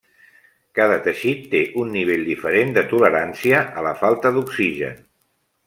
Cada teixit té un nivell diferent de tolerància a la falta d'oxigen.